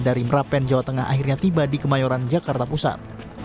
dari merapen jawa tengah akhirnya tiba di kemayoran jakarta pusat